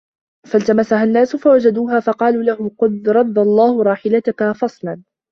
فَالْتَمَسَهَا النَّاسُ فَوَجَدُوهَا ، فَقَالُوا لَهُ قَدْ رَدَّ اللَّهُ رَاحِلَتَك فَصَلِّ